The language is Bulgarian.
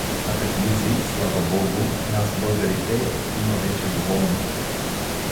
А таквизи, слава богу, в нас българите, има вече доволно.